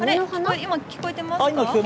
今、聞こえていますか。